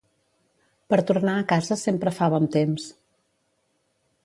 Per tornar a casa sempre fa bon temps.